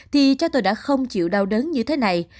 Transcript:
thì cha tôi đã không chịu đau đớn như thế này